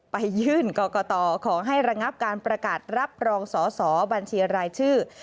ไปยื่นกรกตขอให้ระงับการประกาศรับรองสอสอบัญชีรายชื่อ